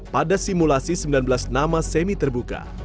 pada simulasi sembilan belas nama semi terbuka